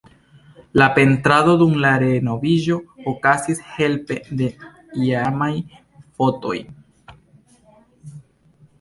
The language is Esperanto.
La pentrado dum la renoviĝo okazis helpe de iamaj fotoj.